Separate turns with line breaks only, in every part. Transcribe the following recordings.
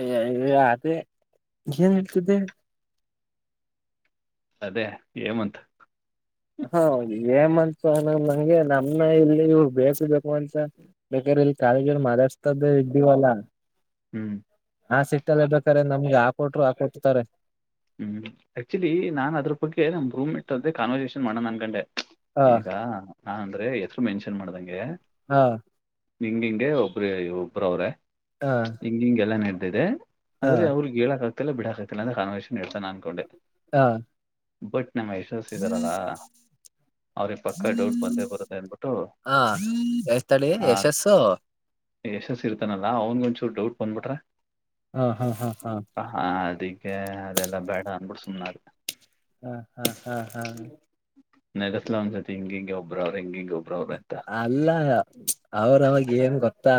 ಏ ಯ ಅದೆ, ಏನ್ ಹೇಳ್ತಿದ್ದೆ
ಅದೇ ಹೇಮಂತ್
ಹು ಅವ್ನ್ ಹೇಮಂತ್ ಸೊ ನ ನಂಗೆ ನಮ್ನಾ ಇಲ್ಲಿ ಇವ್ರು ಬೇಕು ಬೇಕು ಅಂತ, ಬೇಕಾದ್ರೆ ಇಲ್ ಕಾಲೆಜಲ್ ಮಾತಾಡ್ಸ್ತಾ ಸಿದ್ದಿವಾಲಾ
ಹ್ಮ್
ಆ ಸಿಟ್ಟಲ್ಲಿ ರ್ಬೇಕ್ರೆ ನಮ್ಗೆ ಹಾಕೊಟ್ರು ಹಾಕೊಟ್ಟತಾರೆ
ಹ್ಮ್ ಆಕ್ಚುಲಿ ನಾನ್ ಅದ್ರ ಬಗ್ಗೆ ನಮ್ ರೂಮ್ ಜೊತೆ ಕಾನ್ವರ್ಸೇಷನ್ ಮಾಡೋಣ ಅನ್ಕಂಡೆ
ಹಾ
ಈಗ ನಾ ಅಂದ್ರೆ ಹೆಸರು ಮೆನ್ಷನ್ ಮಾಡ್ದಂಗೆ
ಹಾ
ಹಿಂಗ ಹಿಂಗಿ ಒಬರು ಒಬ್ರ ಅವ್ರ
ಹಾ
ಹಿಂಗ ಹಿಂಗೆಲ್ಲಾ ನೆಡದಿದೆ
ಹಾ
ಆದ್ರೆ ಅವ್ರಗ್ ಹೇಳೇಳಕ ಆಗ್ತಿಲ್ಲ ಬಿಡಕ್ ಆಗ್ತಿಲ್ಲ ಅಂತ ಕಾನ್ವರ್ಸೇಶನ ನೆಡ್ಸೋಣ ಅನ್ಕೊಂಡೆ
ಹಾ
ಬಟ್ ನಮ್ಮ ಯಶಸಿದಾರಲ್ಲಾ ಅವ್ರಿಗೆ ಪಕ್ಕ ಡೌಟ್ ಬಂದೇ ಬರುತ್ತೆ ಅನ್ಬಿಟ್ಟು
ಹಾ ಎಸ್ ತಡಿ
ಆ
ಯಶಸ್ಸು
ಯಶಸ್ಸ ಇರ್ತಾನಲ್ಲ ಅವನಿಗೊಂದು ಚೂರ್ ಡೌಟ್ ಬಂದ್ಬಿಟ್ರ
ಹ ಹಾ ಹಾ ಹಾ
ಹ ಅದಿಕ್ಕೆ ಅದೆಲ್ಲ ಬೇಡ ಅಂದ್ಬಿಟ್ ಸುಮ್ನಾದೆ
ಹಾ ಹಾ ಹಾ ಹಾ
ನಗಸ್ಲ ಅವನ ಜೊತೆ ಇಂಗಿಂಗೆ ಒಬ್ರು ಅವರೇ ಇಂಗಿಂಗ್
ಅಲ್ಲ ಅವ್ರ ಅವವಾಗ ಏನ್ ಗೊತ್ತಾ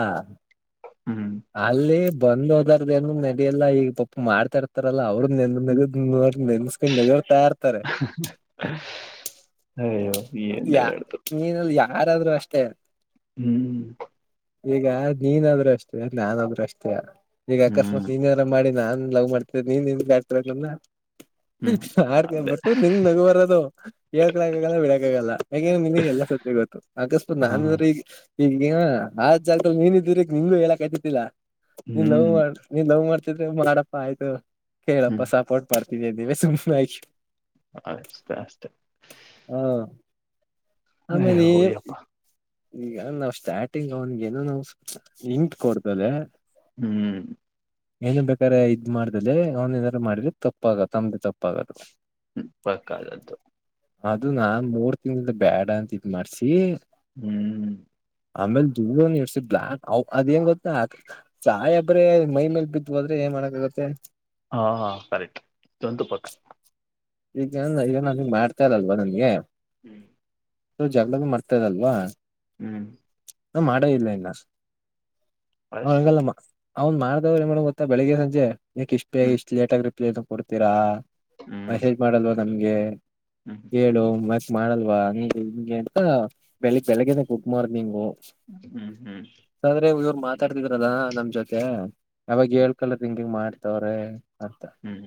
ಹ್ಮ್
ಅಲ್ಲಿ ಬಂದ್ ಹೋದಾರ್ದ ಏನು ನಡಿಯಲ್ಲ ಈಗ ಪಾಪ ಮಾಡ್ತಾ ಇರ್ತಾರಲ್ಲ ಅವ್ರ
ಹ್ಮ್.
ನೋಸ್ಕೊಂಡ ನಗಾಡ್ತಾ ಇರ್ತಾರೆ
ಅಯ್ಯೋ ಏನ್
ಯಾ ನೀನಲ್ಲಿ ಯಾರಾದ್ರೂ ಅಷ್ಟೇ
ಹ್ಮ್
ಈಗ ನೀನಾದ್ರೂ ಅಷ್ಟೇ ನಾನಾದ್ರರು ಅಷ್ಟೇ ಈಗ
ಹ್ಮ್
ಅಕಸ್ಮಾತ್ ನೀನೆಲ್ಲ ಮಾಡಿ ನಾನ್ ಲವ್ ಮಾಡ್ತ ನೀನ್ ನೀನ್
ಹ್ಮ್
ಆಡ್ಕ
ಅದೇ
ಬಿಟ್ಟು ನಿನ್ ನಗು ಬರೋದು ಹೇಳ್ಕಳಕ್ಕ ಆಗಲ್ಲ ಬಿಡಕ ಆಗಲ್ಲ ಹೆಂಗಿದ್ರ ನಿಮಗ್ ಅಲ್ಲ ಎಲ್ಲ ಸ ಗೊತ್ತು ಅಕಸ್ಮಾತ್
ಹ
ನಾನ್ಂದ್ರ ಈಗ ಈಗ ಆ ಜಾಗ ನೀನಿದ್ರ ನಿಂಗು ಹೇಳಕ್ ಆಗ್ತಿದ್ದಿಲ್ಲ ನೀನ್ ಲವು
ಹ್ಮ್
ಮಾಡ ನೀ ಲವು ಮಾಡ್ ಮಾಡಪ್ಪಾ ಆಯ್ತು ಕೇಳಪ್ಪ
ಹ್ಮ್
ಸಪೋರ್ಟ್ ಮಾಡ್ತಿದ್ದಿ ಅನ್ನಿವೆ ಸುಮ್ಮನಾಗಿವೆ
ಅಷ್ಟೇ ಅಷ್ಟೇ
ಹ ಆಮೇಲೆ
ಅಯ್ಯೋ ಯಪ್ಪಾ
ಈಗ ನಾವ್ ಸ್ಟಾರ್ಟಿಂಗ್ ಅವನ್ಗೇನೋ ನಾವ್ ಇಂಟ್ ಕೊಡ್ದಲೇ
ಹ್ಮ್
ಏನು ಬೇಕಾದಾರೆ ಇದ್ ಮಾಡ್ದಲ್ಲಿ ಅವ್ನ್ ಏನಾದಾರು ಮಾಡಿದ್ರ ತಪ್ಪಾಗ ತಮ್ದೆ ತಪ್ಪಾಗದು
ಹ್ಮ ಪಕ್ಕ [unintelligible]
ಅದು ನಾ ಮೂರ್ ತಿಂಗಳಿಂದ ಬೇಡ ಅಂತ ಇದ್ ಮಾಡ್ಸಿ
ಹ್ಮ್
ಆಮೇಲೆ ದೂರ ಇರ್ಸಿ ಬ್ಲಾಕ್ ಅದೇಂಗ ಗೊ ಸಾಯಿಬ್ರೆ ಮೈ ಮೇಲ್ ಬಿದ್ದ ಹೋದ್ರೆ ಏನ್ ಮಾಡಕಾಗತ್ತೆ
ಹಾ ಹಾ ಕರೆಕ್ಟ್ ಇದೊಂದು ಪಕ್ಕ
ಈಗ ಏಂದ ಈಗ ನನಗ್ ಮಾಡ್ತಾರಲ್ವಾ ನನ್ಗೆ
ಹ್ಮ್
ಜಗಳ ಮಾಡ್ತಾರಾ ಅಲ್ಪ
ಹ್ಮ್
ಹ ಮಾಡ ಇಲ್ಲ ಇನ್ನ ಅವನ
ಅಷ್ಟೇ
ಅಂಗಲ್ಲ ಅವನು ಮಾಡ್ದಹೋದ್ರೆ ಏನ್ ಮಾಡೋನ್ ಗೊತ್ತಾ ಬೆಳಿಗ್ ಸಂಜೆ ಯಾಕ್ ಇಷ್ಟ ಬೇ ಇಷ್ಟ್ ಲೇಟಾಗಿ ರಿಪ್ಲೈ ಕೊಡ್ತೀರಾ
ಹ್ಮ
ಮೆಸೇಜ್ ಮಾಡಲ್ವ ನಮ್ಗೆ ಹೇಳು ಮತ್ತೆ ಮಾಡಲ್ವ ಹ ನಿಮಗೆ ಅಂತ ಬೆಳಿಗ್ ಬೆಳಗ್ಗೆನ ಗುಡ್ ಮಾರ್ನಿಂಗ್
ಹ್ಮ ಹ್ಮ
ಮಾತಾಡ್ತಿದ್ರದ ನಮ್ ಜೊತೆ ಯಾವಾಗ ಹೇಳ್ಕಲ್ ಹಂಗಿಂಗ ಮಾಡ್ತವ್ರೆ ಅಷ್ಟೇ
ಹ್ಮ್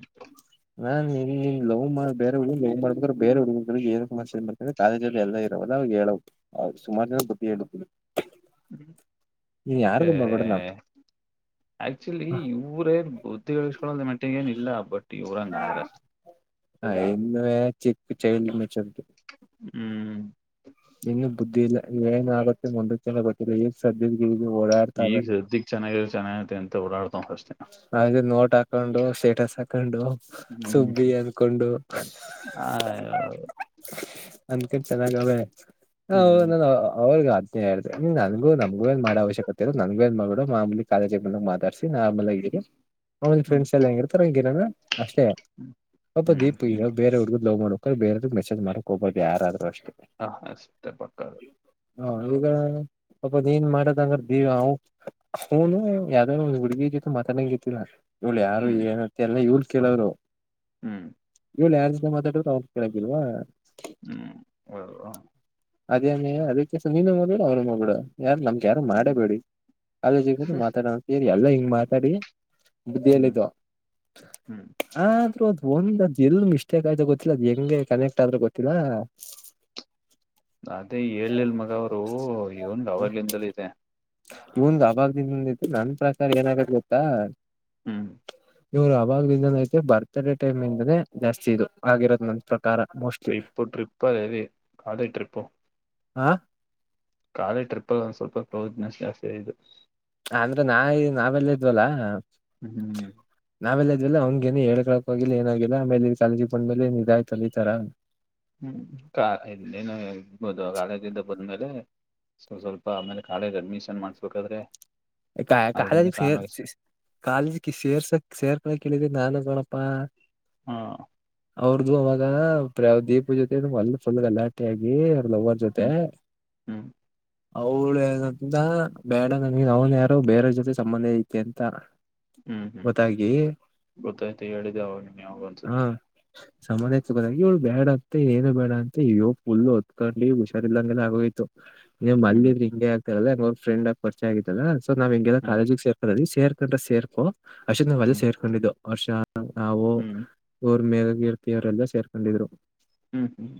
ಹ ನೀಮ್ಮ್ ಹ್ಮ ಲವ್ ಮಾಡ್ ಬೇರೆ ಹುಡುಗನ ಲವ್ ಮಾಡಿದ್ರ ಬೇ ಹಡುಗ ಏನು ಸಮಸ್ಯೆ ಬಂತ್ರ ಕಾಲೇಜ ಅಲ್ಲಿ ಎಲ್ಲ ಇರವಲ್ಲ ಅಗ ಹೇಳುವ ಅಗ ಸುಮಾರ ಜನ ಬುದ್ಧಿ [unintelligible]
ಹೂಂ
ನೀನ್ ಯಾರಗ ಮರಬಡಣಾ
ಆಕ್ಚುಲಿ ಇವರೇ ಬುದ್ಧಿಗಳಿಸಕೊಳ್ಳ ಮಟ್ಟಿಗೆ ಏನ್ ಇಲ್ಲ ಬಟ್ಟ ಇವರ ಆಯರಸ್
ಹ ಇನ್ನು ಚಿಕ್ ಚೈಲ್ಡ್ ಮೆಚ್ಯೂರಿಟಿ
ಹೂಂ
ನಿಂಗೆ ಬುದ್ಧಿ ಇಲ್ಲ ಏನ್ ಆಗತ್ತೆ ಮುಂದಕೆಲ್ಲ ಗೊತ್ತಿಲ್ಲ ಈಗ್ ಸದ್ಯದ ಇದು
ಈಗ
ಓಡಾಡ್ತಾವೆ
ಸದ್ದಿಗ್ ಚೆನ್ನಾಗಿರ ಚೆನ್ನಾಗತೆ ಅಂತ ಓಡಾಡ್ತಾವ್ನೆ ಅಷ್ಟೇ.
ಆ ನೋಟ್ ಹಾಕೊಂಡು ಸ್ಟೇಟಸ್ ಹಾಕೊಂಡು
ಹ್ಮ್
ಸುಬ್ಬಿ ಅನ್ಕೊಂಡು
ಆ
ಅಂದ ಕಟ್ಟ ಚೆನ್ನಾಗ ಅವೇ
ಹ್ಮ್
ನಾನ ಅವ್ರಗ ಅದನ್ನೇ ಹೇಳೇದೆ ನೀ ನನ್ಗೂ ನಮಗೂ ಏನ್ ಮಾಡೋ ನಮ್ಗೂ ನಮ್ಗೆನ್ ಏನ್ ಮಾಡೋ ಅವಶ್ಯಕತೆ ಇಲ್ಲ ನನ್ಗ ಏ ಮಾಡಡ ಮಾಮೂಲಿ ಕಾಲೇಜಿ ಮೇ ಮಾತಾಡಿಸಿ ಆಮೇಲೆ ಹಿದೀರ್ ಅವಂದ ಫ್ರೆಂಡ್
ಹ್ಮ್
ಎಲ್ಲ ಹೆಂಗ ಇರ್ತಾರ ಹಂಗಿರಾನ ಅಷ್ಟೇ
ಹ್ಮ್
ದೀಪು
ಹ್ಮ್
ಬೇರೆ ಹುಡ್ಗು ಲವ್ ಮಾಡ ಬೇರದ ಮೆಸೇಜ್ ಮಾಡಕೋಬಾರದ ಯಾರಾದ್ರು ಅಷ್ಟೇ
ಹಾ ಹ ಸ ಪಕ್ಕ
ಹಾ ಈಗ ಪಾಪ ಏನ್ ಮಾಡದಂಗಾರ ದಿವ ಅವನು ಯಾವ್ದ ಹುಡುಗಿ ಜೊತೆ ಮಾತಾಡಂಗ ಗತ್ತಲ್ಲ ಇವ್ಳು ಯಾರು
ಹ್ಮ್
ಏನತ್ತ ಎಲ್ಲ ಇವ್ಳು ಕೇಳೋರು ಇವನು ಯಾರ
ಹೂಂ
ಅದೇನ ಕೆಲಸ ನೀನು ಮಾಡ್ಬೇಡ ಅವರು ಮಾಡಬಾರದು ಯಾರು
ಹ್ಮ್
ಮಾಡೇಬೇಡಿ ಕಾಲೇಜ್ ಗೆ ಮಾತಾಡೋ ಸೇರಿ ಎಲ್ಲ ಹಿಂಗ್ ಮಾತಾಡಿ ಬುದ್ಧಿ
ಹ್ಮ್
ಎಲ್ಲೈತು
ಹ್ಮ್
ಆದ್ರೂ ಅದ್ ಒಂದ್ ಅದ್ ಎಲ್ ಮಿಸ್ಟೇಕ್ ಆಯ್ತ ಗೊತ್ತಿಲ್ಲ ಅದ್ ಹೆಂಗೆ ಕನೆಕ್ಟ ಆದ್ರೂ ಗೊತ್ತಿಲ್ಲ.
ಅದೇ ಹೇಳಿಲ್ ಮಗ ಅವರು ಇವಂದ್ ಅವಾಗ್ಲಿಂದಲೂ ಇದೆ
ಇವಂದು ಅವಾಗ ದಿಂದಂದ ಇತ್ತು ನನ್ ಪ್ರಕಾರ ಏನಾಗತ್ ಗೊತ್ತಾ
ಹೂಂ
ಇವ್ರು ಅವಾಗಲಿಂದನ ಐತೆ ಬರ್ತ್ಡೇ ಟೈಮ್ ಇಂದಾನೇ ಜಾಸ್ತಿ ಇದು ಆಗಿರೋದ ಅಂತ
ಟ್ರಿಪ್ಪ ಟ್ರಿಪ್ಪಾ ಅದೆ ಕಾಲೇ ಟ್ರಿಪ್ಪು
ಹಾಂ
ಕಾಲಿ ಟ್ರಿಪಲ್ ಒಂದು ಸ್ವಲ್ಪ ಕ್ಲೊಸ್ನೆಸ್ ಜಾಸ್ತಿ ಆಗಿದ
ಅಂದ್ರೆ ನಾ ನಾವೆಲ್ಲ ಇದ್ವಲ್ಲಾ
ಹೂಂ
ಆಮೇಲೆ ಇದೆಲ್ಲಾ ಅವನಿಗೆ ಹೇಳ್ಕೊಳಕಾಗಿಲ್ಲ ಏನಾಗಿಲ್ಲ ಆಮೇಲೆ ನೀ ಸಂಜಿಪ್ನಮೇಲೆ ನಿಂತಂದಿ ತರ
ಹೂಂ ಕ ಏನು ಇಬೋದು ಕಾಲೇಜ ಇಂದ ಬದ್ಮೇಲೆ ಸೊ ಸ್ವಲ್ಪ ಆಮೇಲೆ ಕಾಲೇಜ್ ಅಡ್ಮಿಷನ್ ಮಾಡ್ಸ್ಬೇಕಾದ್ರೆ ಅಲ್ಲಿಂದ ತಾನು
ಕಾಲೇಜ ಕಾಲೇಜ ಸೇರ್ಸಕ್ ಸೇರ್ಕಳೇಳಿದ್ರೆ ನಾನು ಕಣೋ ಬಾ
ಹಾ
ಅವ್ರ್ದು ಅವಾಗ ದೀಪ ಜೊತೆ ಒಂದುಕ್ಕೊಂದು ಗಲಾಟೆ ಆಗಿ ಲವರ್ ಜೊತೆ
ಹ್ಮ್ ಹ್ಮ್
ಅವಳಂತ ಬೇಡ ನನ ಅವನ್ ಯಾರ ಬೇರೆ ಜೊತೆ ಸಂಬಂಧ ಐತೆ ಅಂತ.
ಹ್ಮ್ ಹ್ಮ್
ಗೊತ್ತಾಗಿ
ಗೊತ್ತಾಯ್ತು ಹೇಳಿದೆ ಅವಾಗನ್ ಯಾವಾಗ ಅನ್ಸುತ್ತೆ
ಸಮಾನ ಸಮಾನ್ಯಾಗಿ ಇವ್ಳ ಬೇಡ ಏನು ಬೇಡ ಅಂತ ಅಯ್ಯೋ ಫುಲ್ ಅತ್ಕೊಂಡಿ ಹುಷಾರ್ ಇಲ್ಲಂಗೆಲ್ಲ ಆಗೋಯ್ತು. ನೀವ್
ಹ್ಮ್
ಮನ್ಲಿದ್ರ ಹಿಂಗ ಆತಾರಲ್ಲಂಗ್ರ ಫ್ರೆಂಡ್ಗಿ ಪರ್ಚ ಆಗತ್ತಲ್ಲ ಸೊ ನಾವ್ ಹಂಗೆಲ್ಲ
ಹ್ಮ್
ಕಾಲೇಜಿಗೆ ಸೇರ್ರ ಸೇರ್ಕೊಂಡ್ರೆ ಸೇರ್ಕೋ ಅರ್ಷಲ್ಲ
ಹ್ಮ್
ಸೇರ್ಕೊಂಡಿದ್ದು ಹರ್ಷ ನಾವು
ಹ್ಮ್
ಅವ್ರ ಮೇ ಕೀರ್ತಿ ಅವರೆಲ್ಲಾ ಸೇರ್ಕೊಂಡಿದ್ರು.
ಹ್ಮ್ ಹ್ಮ್್ಮ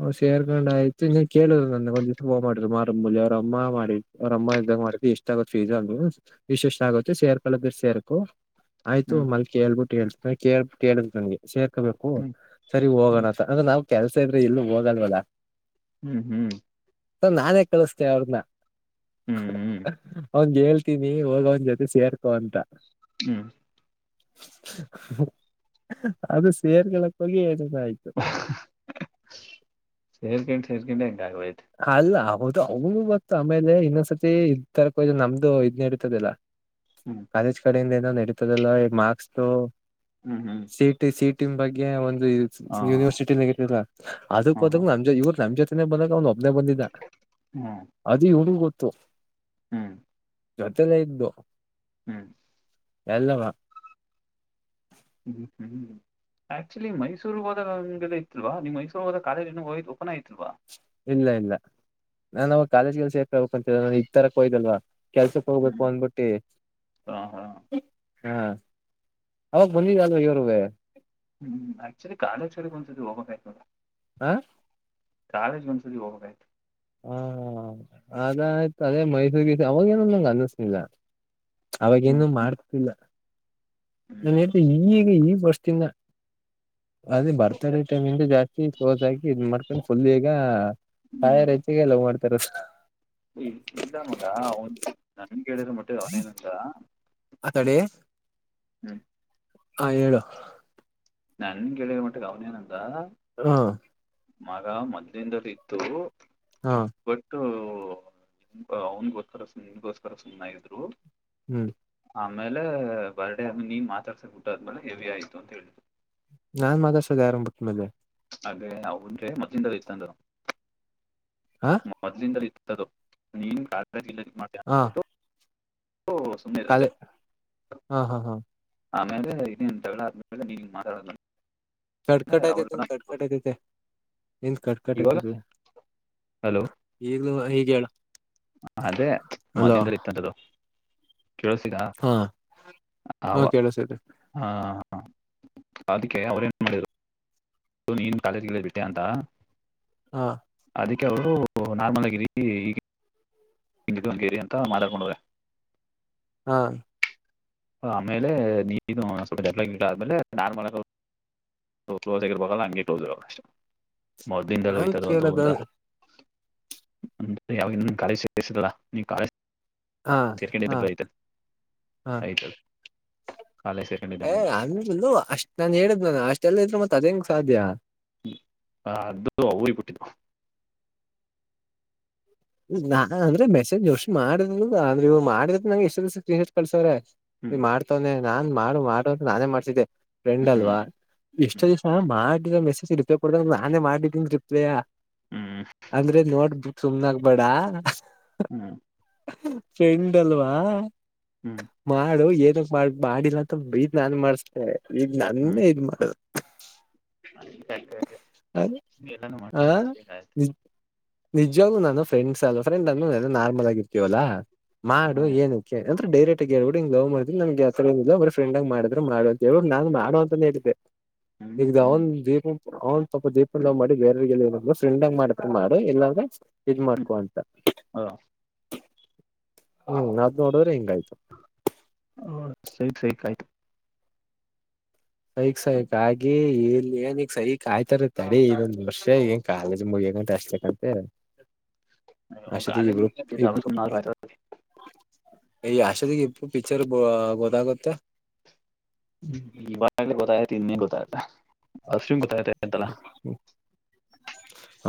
ಹ್ ಸೇರ್ಕೊಂಡ್ ಆಯ್ತುನ್ ಕೇಳಿದ್ ನನ್ಗೆ ಒಂದ್ ದಿವಸ ಹ ಮಾಡಿದ್ರು ಮಾರಲಿ ಅವ್ರ ಅಮ್ಮ ಮಾಡಿದ ಅವ್ರ ಅಮ್ಮ ಅದ ಮಾಡತಿಷ್ಟ ತಗ ಫೀಸ್ ಅಲ್ ವಿಶೇಷ ಆಗುತ್ತೆ ಸೇರ್ಕಲ್ಲದರ್ ಸೇರ್ಕು ಆಯ್ತು
ಹ್ಮ್
ಮಲ್ ಕ ಹೇಳ್ಬಿಟ್ಟು ಹೇಳ್ತ ಮ ಕೇಳ ಕೇಳಿದ ನನ್ಗೆ ಸೇರ್ಕೋಬೇಕು
ಹ್ಮ್
ಸರಿ ಹೋಗೋಣಂತ ಅಂದ್ರೆ ನಾವು ಕೆಲ್ಸ ಇದ್ರೆ ಎಲ್ಲು ಹೋಗಲ್ವಲ್ಲ
ಹ್ಮ್ ಹ್ಮ್
ನಾನೇ ಕಳಿಸತೇ ಅವ್ರನ್ನ
ಹ್ಮ್ ಹ್ಮ್
ಅವನ್ ಹೇಳ್ತೀನಿ ಹೋಗು ಅವನ ಜೊತೆ ಸೇರ್ಕೊ ಅಂತ
ಹ್ಮ
ಅದು ಸೇರಕಲಿಕ್ಕೆ ಹೋಗಿ ಆಯ್ತು
ಸೇರ್ಕ ಸೇರ್ಕಂಡೆ
ಅಲ್ಲ ಹೌದು ಅವನು ಗತ್ತು ಆಮೇಲೆ ಇನ್ನೊಂದ್ಸರ್ತಿ ಇದು ತರೋಕೆ ಹೋಗಿದಾಗ ನಮ್ದು ಇದ್ ನಡೀತದಿಲ್ಲ
ಹ್ಮ್
ಕಾಲೇಜ್ ಕಡೆಯಿಂದ ಏನೋ ನಡೀತದಲ್ಲ ಮಾರ್ಕ್ಸ್
ಹ್ಮ್ ಹ್ಮ್
C E T C E T ಬಗ್ಗೆ ಒಂದು
ಹ
ಯೂನಿವರ್ಸಿಟಿನ ಇಲ್ಲ ಅದಕ್ಕೋದ್ರು
ಹ
ನಮ್ ಇವ್ ನಮ್ ಜೊತೆನೆ ಬಂದಾಗ ಅವ್ನ ಇಲ್ಲೇ ಬಂದಿದ್ದ
ಹ್ಮ್
ಅದ ಇವನುಗು ಗೊತ್ತು
ಹ್ಮ್
ಜೊತೆಲ್ಲೆ ಇದ್ದು
ಹ್ಮ್
ಎಲ್ಲ
ಹ್ಮ್ ಹ್ಮ್ ಆಕ್ಚುಲಿ ಮೈಸೂರು ಹೋದ ಹಾಗೆ ಇತ್ತು ನೀವು ಮೈಸುರ್ ಹೋದಗಾ ಕಾಲೇಜ್ ಇನ್ನ ಓಪನ್ ಆಗಿರಿಲ್ವಾ
ಇಲ್ಲ ಇಲ್ಲ ನಾನ ಅವ ಕಾಲೇಜ್ಗೆಲ್ಲಿ ಸೇಕಬೇಕಂತ ಇದು ತರಕ್ಕೆ ಹೋಗಿದಾಗ ಕೆಲ್ಸಕ್ಕೆ ಹೋಗ್ಬೇಕು
ಹ್ಮ್
ಅಂದಬಿಟ್ಟಿ
ಹ ಹಾ
ಹಾ ಅವಾಗ ಬಂದಿದ್ದ ಅಲ್ವಾ ಇವನುವೆ
ಹ್ಮ್ ಆಕ್ಚುಲಿ ಕಾಲೇಜ ಕಡೆಗ್ ಒಂದ್ಸತಿ ಹೋಗಬೇಕ ಆಯ್ತು
ಹಾ
ಕಾಲೇಜ್ ಗೆ ಒಂದ್ಸತಿ ಹೋಗಬೇಕು ಅಷ್ಟೇ
ಹ ಹಾ ಅದಾಯಯ್ತು ಅದೇ ಮೈಸೂರ್ಗ ಅವಾಗೇಏನ ನಂಗೆ ಅನ್ನಿಸನಿಲ್ಲ
ಹ್ಮ್
ಅವಾಗಿಂದು ಮಾಡ್ತಿಲ್ಲ
ಹ್ಮ್
ನನ್ ಹೇಳ್ದ ಈಗ ಈ ವರ್ಷದಿಂದ ಅದೇ
ಹೌದಾ?
ಬರ್ತಡೆ ಟೈಮ್ ಇಂದ ಜಾಸ್ತಿ ಕ್ಲೋಸಾಗಿ ಇದ್ ಮಾಡ್ಕೊಂಡು ಫುಲ್ ಈಗ
ಹ್ಮ್
ಸಾಯರೇಂಜ ಮಾಡ್ತಾರೆ
ಕೇಳಿದ್ರ ಮಟ್ಟೆಗೆ ಅವನೇನಂದ
ಆ ಕಡೆ
ಹ್ಮ್
ಹಾ ಹೇಳು
ನನ್ ಕೇಳಿದರ ಮಟ್ಟಕ್ಕೆ ಅವ್ನೇನ ಅಂದ
ಹಾ
ಮಗ ಮದ್ಲಿಂದನ್ನು ಇತ್ತು
ಹಾ
ಬಟ್ ಅವನ್ಗೋಸ್ಕರ ನಿನ್ಗೋಸ್ಕರ ಸುಮ್ನೆಾಗಿದ್ರು
ಹ್ಮ್
ಆಮೇಲೆ ಬರ್ತ್ಡೇ ಆಮ ನೀ ಮಾತಾಡ್ಸಕ ಬಿಟ್ಟ ಆದ್ಮೇಲೆ ಹೆವಿ ಆಯ್ತು ಅಂತ ಹೇಳು
ನಾನ್ ಮಾತಾಡ್ಸದ ಯಾರನ್ನ ಬಿಟ್ಟ ಮೇಲೆೆ
ಹಾಗೆ ನಾವುಂದ್ರೆ ಮೊದ್ಲಿಂದಲ ಇತ್ತ ಅಂದರು
ಹ
ಮೊದ್ಲಿಂದಲ ಇತ್ತು ಅದು ನೀನು [unintelligible] ಅಂದ್ಬಿಟ್ಟು
ಅದೇ ಹಾ ಹಾ ಹಾ
ಆಮೇಲೆ ಇದೆ [unintelligible] ನೀನು ಮಾತಾಡೋದು
ಕಡ್ಕಟ್ ಐತೈತೆ ಕಡ್ಕಟ್ ಐತೈತೆ ನಿಂದ್ ಕಡ್ಕಟ್
ಇವಾಗ
ಐತೈತೆ
ಹಲೋ
ಈಗ ಹೇಳು
ಅದೇ ಮೊದ್ಲಿನ್ದನು ಇತ್ತು ಅದು ಕೇಲಿಸ್ತಿದ
ಹಾ
ಅವ
ಹ ಕೇಳಸೈತೆ
ಅ ಹಾ ಅದಕ್ಕೆ ಅವ್ರೇನು ಮಾಡರು ನೀನು ಕಾಲೇಜ್ಗೆ ಬಿಟ್ಟೆ ಅಂತ
ಹಾ
ಅದಕ್ಕೆ ಅವರು ನಾರ್ಮಲ್ ಆಗಿ ರೀ ಈಗ ತಿಂಗ್ ಹಗೇರಿ ಅಂತ ಮಾಲಾಡ್ಕೊಂಡೆ
ಹಾ
ಆಮೇಲೆ ನೀನು ಸ್ವಲ್ಪ ಎ ಆದ್ಮೇಲೆ ನಾರ್ಮಲ್ ಕ್ಲೋಸ್ ಆಗಿರಬಲ್ಲ ಹಂಗೆ
ನನ್
ಕ್ಲೋಸ್ಷಮದಿಂದಲ್ಲ್ತ
ಕೇಳದ
ಯಾವ ಕಾಳಜ ಸಿಸಾ ನೀ ಕಾಳಜ
ಹಾ ಹಾ ಹಾ
ಐತದ ಕಾಲೇಜ್
ಏ
ಸೇರ್ಕೊಂಡಿದ್ದಾಗ್ಲಿಂದ
ಅಮಲು ಅಷ್ಟ್ ನಾನನ್ ಹೇಳಿದ್ ನ ಅಷ್ಟೆಲ್ಲ ಇದ್ರು ಮತ್ ಅದೇಂಗ್ ಸಾಧ್ಯ
ಹ ಅದು ಯ್ಬುಟ್ಟಿದ್ದು
ನಾ ಅಂದ್ರೆ ಮೆಸೇಜ್ ಯಔಷ್ ಮಾಡಿದ್ ಅ್ರ ಇವ್ ಮಾಡಿದ ನಂಗ ಎಷ್ಟು ದಸ ಎಷ್ಟ ಕಳ್ಸವ್ರೆ ನೀ
ಹ್ಮ್
ಮಾಡ್ತವನನೆ ನಾನ್ ಮಾಡು ಮಾಡು ಅ ನಾನೇ ಮಾಡ್ತಿದ್ದೆ ಫ್ರೆಂಡ್
ಹ್ಮ್
ಅಲ್ವಾ ಇಷ್ಟ್
ಹ್ಮ್
ದಿವಸ ಮಾಡಿದ್ರ ಮೆಸೇಜ್ ರಿಪ್ಲ ಕೊಡದಾಗ ನಾನೇ ಮಾಡಿದ್ದೀನ್ ರಿಪ್ಲೇಯ
ಹ್ಮ್
ಅಂದ್ರೆ ನೋಡ್ಬು ಸುಮ್ನಾಗಬೇಡ
ಹ್ಮ್
ಫ್ರೆಂಡ್ ಅಲ್ವಾ
ಹ್ಮ್
ಮಾಡು ಎ ಬಾ ಬಾಡಿಲ್ಲ ಅಂತ ಬಗ ನಾನನ್ ಮಾಡಿಸೇನೆ ಈಗ
ಹ್ಮ್
ನನ್ನೇ ಇದ್ ಮಾಡದು
ಎಲ್ಲಯತ
ನಿಜವ್ ನಾನು ಫ್ರೆಂಡ್ಸ್ ಅಲ್ವಾ ಫ್ರೆಂಡ್ ಅನ್ನು ನಾರ್ಮಲ್ ಆಗಿರ್ತೀವಲ್ಲಾ ಮಾಡು
ಹ್ಮ್
ಏನಕ್ಕೆ ಡೈರೆಕ್ಟ್ ಆ ಹೇಳ್ಬಿಂಗ ಲವ್ ಮಾಡ್ರ ನಮಗೆ ಹತ್ರವ ಬ ಫ್ರೆಂಡ್ ಆಗ ಮಾಡಿದ್ ಮಾಡ ಅ ಹೇಬಿ ನಾನ್ ಮಾಡುವ ಅಂತಾನೇ ಹೇಳಿದ್ದೆ
ಹ್ಮ್
ಎ
ಹ್ಮ್
ಧಾವನ್ ದಪ ಅವ್ನ್ ಸ್ವಲ್ಪ ದೀಪ್ ಮಾಡಿ ಬೇರೆವರಿಗೆ ಫ್ರೆಂಡಾಗ ಮಾಡತ್ರ ಮಾಡು ಎಲ್ಲಾದ್ರೆ ಇದ್
ಹ್ಮ್
ಮಾಡ್ಕೊಂತ ಹ್ಮ್ ನಾವ್ ನೋಡೋರೆ ಹೆಂಗಾಯ್ತು
ಹ ಸಹ ಸೇ ಕಾಯ್ತು
ಸೈಕ್ ಸೈಕ್ ಹಾಗಗಿ ಇಲ್ಲಿ ಏನ ಈಗ್ ಸೈಕ್ ಆಯ್ತಾರ ತಡೆ ಇದೊಂದ್ ವರ್ಷ ಏನ್ ಕಾಲೇಜ್ ಮುಗ ಗ ಆ ಕಂತ ಅಷೆ ಇಬ
ಕಾಲೇಜ್
ಇಬ
ಸುಮ್ಮನೆ ಆಯ್ತು.
ಈ ಯಷ್ಟದಿಗೆ ಇಪ್ಪು ಪಿಕ್ಚರ್ ಗೊದಾಗತ್ತೆ
ಹ್ಮ ಈಾಗ ಗೊತ್ತಾಯ್ತತಿ ಇನ್ನೇ ಗೊತ್ತಾಯ್ತಾ ಅಷ್ಟ ಗೊ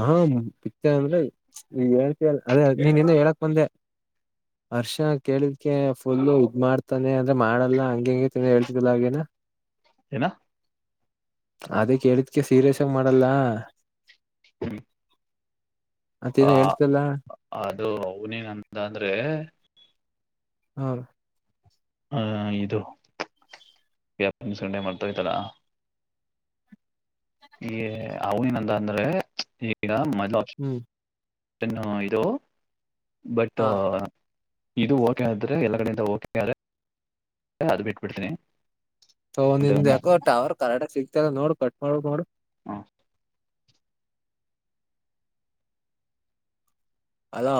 ಹಾ ಪಿಕ್ಚರ್ ಅಂದ್ರೆಳ್ತಿ ಅದ ನೀನ್ ಇನ್ನ ಹೇಳಕ್ ಬಂದೆ ಹರ್ಷ ಕೇಳಿದಕೆ ಫುಲ್ ಇದ ಮಾಡ್ತಾನೆ ಅಂದ್ರೆ ಮಾಡಲ್ಲಾ ಹಂಗಗೆ ಹಂಗತನಿ ಹೇಳ್ತಲ್ಲ ಹಾಗೇನ
ನಾ
ಅದೇ ಕೇಳಿದಕ ಸೀರಿಯಸ್ ಆಗ ಮಾಡಲ್ಲ
ಹ್ಮ್
ಮತ್ತೇನ
ಆ
ಹೇಳ್ತಲ್ಲ
ಅದು ಅವನೇನಂತ ಅಂದ್ರೆ
ಹ್ಮ
ಹ ದು ಫ ಸಂಡ ಮಾಡತವೆ ಚಲ್ಲಾಗ ಅವೇನಂತ ಅಂದ್ರೆ ಈಗ ಮ
ಹ್ಮ್
ಚನ್ನು ಇದು ಬಟ್
ಹ
ಇದು ಓಕೆ ಆದ್ರೆ ಎಲ್ಲ ಕಡೆಯಿಂದ ಓಕೆ ಆದ ಅದು ಬಿಟ್ಬಿಡ್ತೇನಿ
ಹ ನಿಂದ್ ಯಾಕೋ ಟ ಅವರ್ ಕರಾಟ ಸಿಗ್ತಾರ ನೋಡು ಕಟ್ ಮಾಡುದು ನೋಡು
ಅ
ಅಲೋ